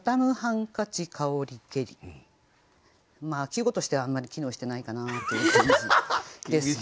まあ季語としてはあんまり機能してないかなっていう感じですね。